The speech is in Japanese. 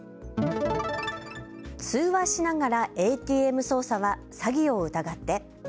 通話しながらＡＴＭ操作は詐欺を疑って。